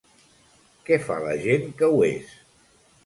Què fa la gent que ho és?